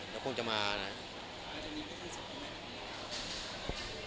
แต่คงจะมานะ